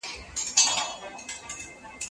وروستۍ څلورمه ډله يې د سياسي علم په نوم يادوي.